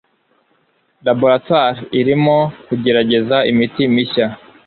Laboratoire irimo kugerageza imiti mishya